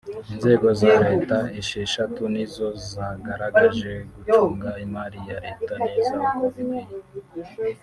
Inzego za Leta esheshatu nizo zagaragaje gucunga imari ya Leta neza uko bikwiye